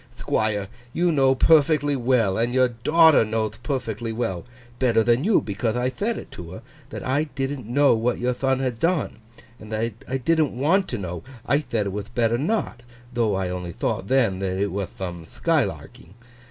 'Thquire, you know perfectly well, and your daughter knowth perfectly well (better than you, becauthe I thed it to her), that I didn't know what your thon had done, and that I didn't want to know—I thed it wath better not, though I only thought, then, it wath thome thkylarking.